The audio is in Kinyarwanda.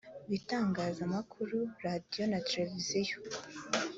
bitangazamakuru radiyo na televiziyo